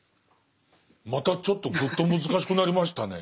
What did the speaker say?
またちょっとぐっと難しくなりましたね